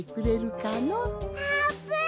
あーぷん！